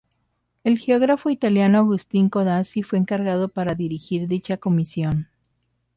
El geógrafo italiano Agustín Codazzi fue encargado para dirigir dicha comisión.